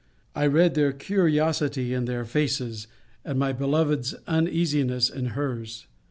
I read their curiosity in their faces, and my beloved's uneasiness in her's.